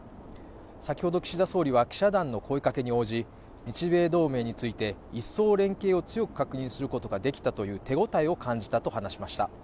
先ほど岸田総理は記者団の声がけに応じ、日米同盟について、一層連携を強く確認することが出来たという手応えを感じたと話しました。